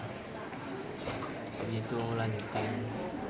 tapi itu lanjutkan